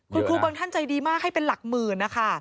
คุณครูบางท่านใจดีมากให้เป็นหลักหมื่นนะคะ